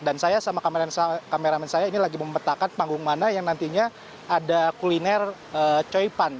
dan saya sama kameramen saya ini lagi memetakan panggung mana yang nantinya ada kuliner coipan